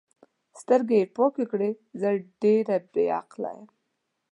سترګې یې پاکې کړې: زه ډېره بې عقله یم.